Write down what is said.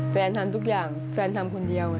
ทำทุกอย่างแฟนทำคนเดียว